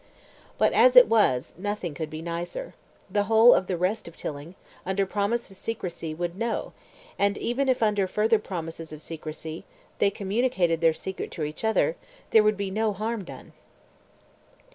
But, as it was, nothing could be nicer: the whole of the rest of Tilling, under promise of secrecy, would know, and even if under further promises of secrecy they communicated their secret to each other, there would be no harm done.